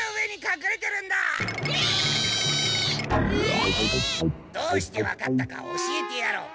えっ！どうしてわかったか教えてやろう。